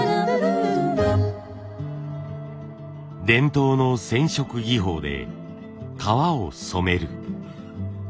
伝統の染色技法で革を染める。